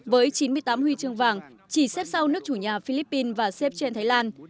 với chín mươi tám huy chương vàng chỉ xếp sau nước chủ nhà philippines và xếp trên thái lan